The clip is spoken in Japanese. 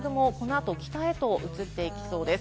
発達した雨雲、このあと北へと移っていきそうです。